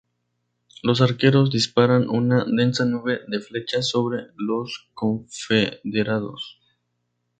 Los arqueros dispararon una densa nube de flechas sobre los confederados.